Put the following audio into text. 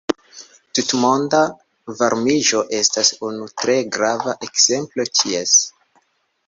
Tutmonda varmiĝo estas unu tre grava ekzemplo ties.